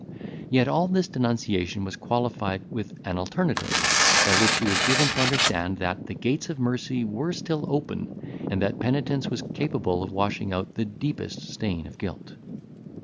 Yet all this denunciation was qualified with an alternative, by which he was given to understand, that the gates of mercy were still open, and that penitence was capable of washing out the deepest stain of guilt.